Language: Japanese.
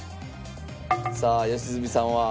さあ良純さんは。